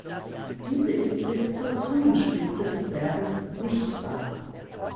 Diese ist bis zur Zungenspitze des Berges sichtbar.